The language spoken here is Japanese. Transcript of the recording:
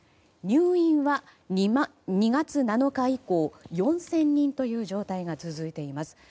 入院は２月７日以降４０００人という状態が続いています。